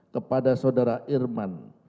kepada saudara irman